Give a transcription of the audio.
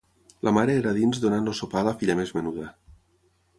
La mare era dins donant el sopar a la filla més menuda.